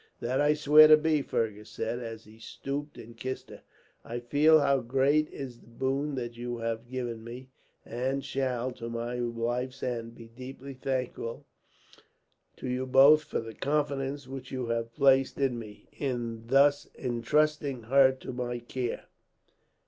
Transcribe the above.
"That I swear to be," Fergus said, as he stooped and kissed her. "I feel how great is the boon that you have given me; and shall, to my life's end, be deeply thankful to you both for the confidence which you have placed in me, in thus intrusting her to my care.